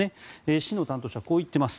市の担当者はこう言っています。